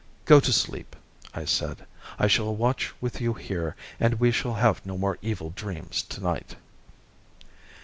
"Go to sleep," I said; "I shall watch with you here and we shall have no more evil dreams tonight."